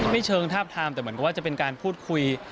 เชิงทาบทามแต่เหมือนกับว่าจะเป็นการพูดคุย